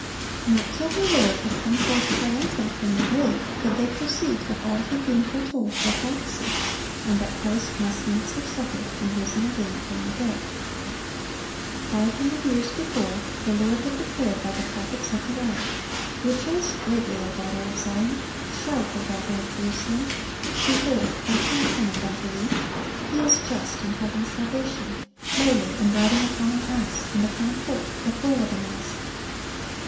Not till their Lord had come forth triumphant from the grave could they perceive that all had been foretold by prophecy, and "that Christ must needs have suffered, and risen again from the dead."(661) Five hundred years before, the Lord had declared by the prophet Zechariah, "Rejoice greatly, O daughter of Zion; shout, O daughter of Jerusalem: behold, thy King cometh unto thee: He is just, and having salvation; lowly, and riding upon an ass, and upon a colt the foal of an ass."